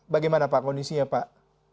bagaimana pak kondisinya pak